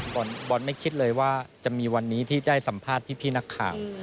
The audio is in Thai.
บอลไม่คิดเลยว่าจะมีวันนี้ที่ได้สัมภาษณ์พี่นักข่าว